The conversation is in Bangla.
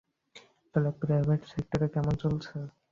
তাহলে প্রাইভেট সেক্টরে কেমন চলছে?